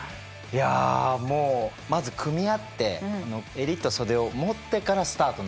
いやもうまず組み合って襟と袖を持ってからスタートなんですね。